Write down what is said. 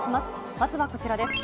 まずはこちらです。